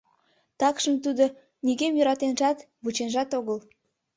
Такшым тудо нигӧм йӧратенжат, вученжат огыл.